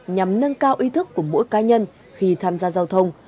nhằm nâng cao ý thức của mỗi cá nhân khi tham gia giao thông